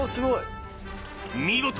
見事！